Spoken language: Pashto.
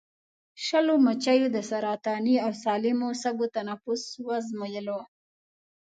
شلو مچیو د سرطاني او سالمو سږو تنفس وازمویلو.